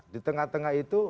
di tengah tengah itu